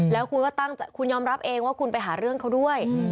แล้วคุณก็ตั้งคุณยอมรับเองว่าคุณไปหาเรื่องเขาด้วย